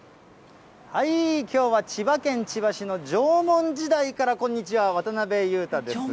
きょうは千葉県千葉市の縄文時代からこんにちは、渡辺裕太です。